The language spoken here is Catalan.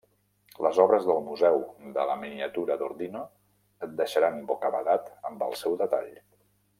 Les obres del Museu de la Miniatura d’Ordino et deixaran bocabadat amb el seu detall.